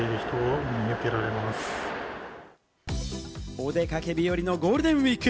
お出かけ日和のゴールデンウイーク。